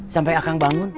sampai akang bangun